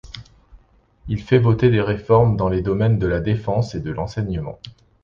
Il fait voter des réformes dans les domaines de la défense et de l'enseignement.